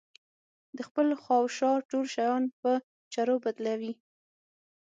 د خپل خواوشا ټول شيان په چرو بدلوي.